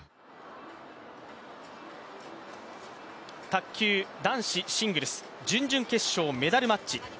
卓球男子シングルス準々決勝メダルマッチ。